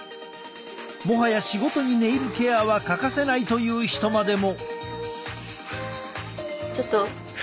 もはや仕事にネイルケアは欠かせないという人までも！